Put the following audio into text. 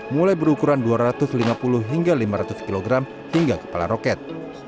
mulai berukuran dua ratus lima puluh hingga lima ratus kg hingga kepala roket